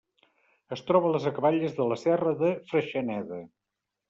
Es troba a les acaballes de la Serra de Freixeneda.